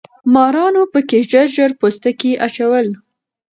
مارانو پکې ژر ژر پوستکي اچول.